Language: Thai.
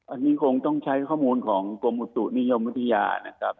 อันนี้คงต้องใช้ข้อมูลของกรมอุตุนิยมวิทยานะครับ